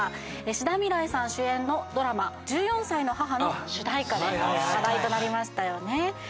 志田未来さん主演のドラマ『１４才の母』の主題歌で話題となりましたよね。